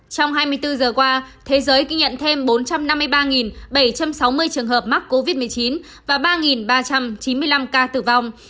trong hai mươi bốn giờ qua thế giới ghi nhận thêm bốn trăm năm mươi ba bảy trăm sáu mươi trường hợp mắc covid một mươi chín và ba ba trăm chín mươi năm ca tử vong